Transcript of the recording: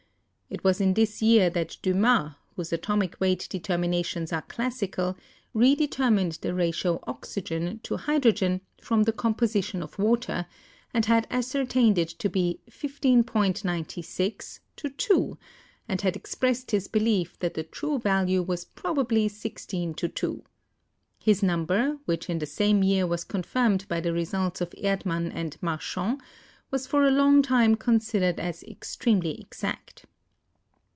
It was in this year that Dumas, whose atomic weight de terminations are classical, redetermined the ratio oxygen : hydrogen from the composition of water, and had ascer tained it to be 15.96:2, and had expressed his belief that the true value was probably 16:2. His number, which in the same year was confirmed by the results of Erd mann and Marchand, was for a long time considered as extremely exact.